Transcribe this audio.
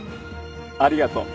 ありがとう。